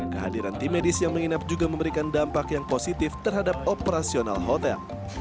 kehadiran tim medis yang menginap juga memberikan dampak yang positif terhadap operasional hotel